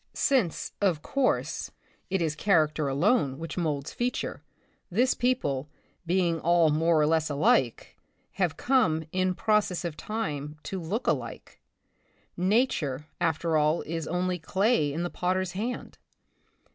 Since, of course, it The Republic of the Future, 6 1 is character alone which molds feature, this people, being all more or. less alike, have come, in process of time, to look alike. Nature, after all, is only clay in the potter's hand.